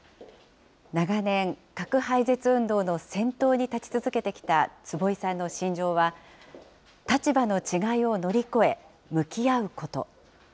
長年、核廃絶運動の先頭に立ち続けてきた坪井さんの信条は、立場の違いを乗り越え、向き合うこと。